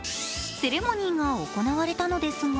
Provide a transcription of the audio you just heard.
セレモニーが行われたのですが